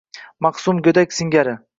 Ma’sum go’dak singari.